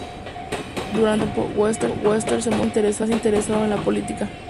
Durante este tiempo, Webster se mostró más interesado en la política.